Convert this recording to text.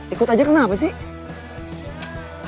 ikut aja kenapa sih